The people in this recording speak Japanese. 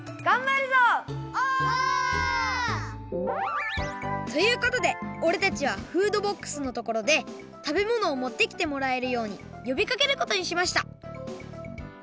オ！ということでおれたちはフードボックスのところで食べ物を持ってきてもらえるようによびかけることにしました